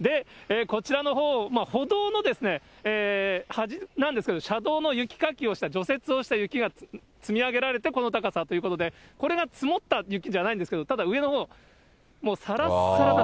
で、こちらのほう、歩道の端なんですけど、車道の雪かきをした、除雪をした雪が積み上げられて、この高さということで、これが積もった雪じゃないんですけど、ただ上のほう、もうさらさらです。